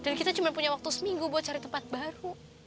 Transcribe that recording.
dan kita cuma punya waktu seminggu buat cari tempat baru